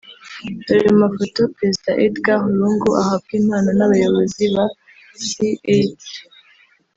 Dore mu mafoto Perezida Edgard Lungu ahabwa impano n’abayobozi ba C&H